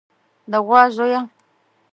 د غوا زويه.